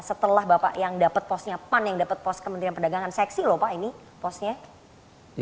setelah bapak yang dapat posnya pan yang dapat pos kementerian perdagangan seksi lho pak ini posnya